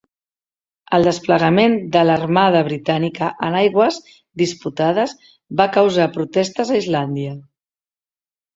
El desplegament de l'Armada Britànica en aigües disputades va causar protestes a Islàndia.